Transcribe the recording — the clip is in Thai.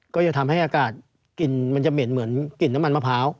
ก็จะทำให้อากาศกลิ่นมันจะเหม็นเหมือนกลิ่นน้ำมันมะพร้าว